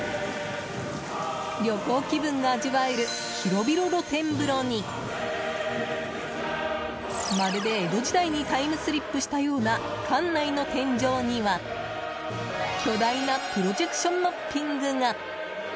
旅行気分が味わえる広々、露天風呂にまるで江戸時代にタイムスリップしたような館内の天井には、巨大なプロジェクションマッピングが。